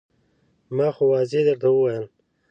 ما خو واضح درته وویل.